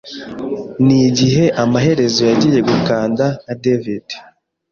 nigihe amaherezo yagiye gukanda Nka David